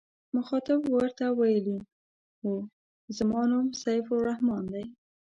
مخاطب ورته ویلي و زما نوم سیف الرحمن دی.